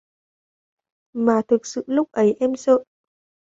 mà thực sự lúc ấy em sợ